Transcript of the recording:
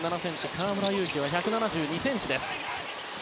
河村勇輝は１７２ｃｍです。